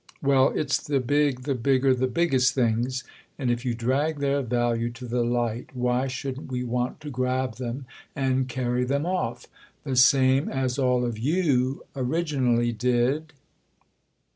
"Well, it's the big, the bigger, the biggest things, and if you drag their value to the light why shouldn't we want to grab them and carry them off—the same as all of you originally did?"